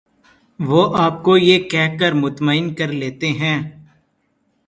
وہ اپنے آپ کو یہ کہہ کر مطمئن کر لیتے ہیں